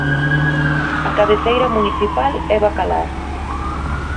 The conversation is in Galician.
A cabeceira municipal é Bacalar.